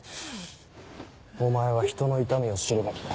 お前は人の痛みを知るべきだ。